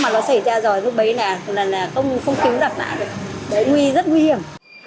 là không kiếm đặt lại được đấy nguy hiểm rất nguy hiểm